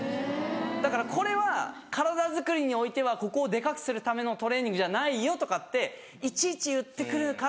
だからこれは体づくりにおいてはここをデカくするためのトレーニングじゃないよとかっていちいち言って来るから。